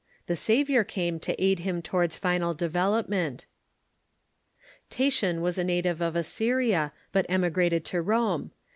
The Saviour came to aid him towards final development. Tatian was a native of Assyria, but emigrated to Rome.